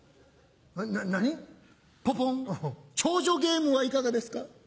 長女ゲームはいかがですか？